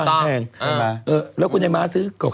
ขั้งวันนั้นอ่านข่าวอยู่ไม่ได้เห็นหรอก